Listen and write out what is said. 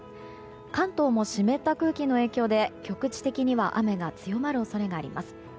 関東も湿った空気の影響で局地的には雨が強まる恐れがあります。